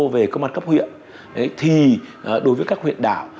về công an cấp huyện thì đối với các huyện đảo